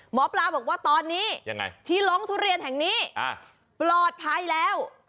หมอปลาบอกว่าตอนนี้ที่ลงทุเรียนแห่งนี้ปลอดภัยแล้ว